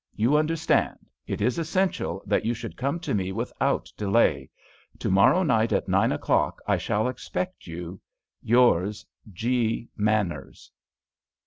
You understand; it is essential that you should come to me without delay. To morrow night at nine o'clock I shall expect you.—Yours,_ G. MANNERS."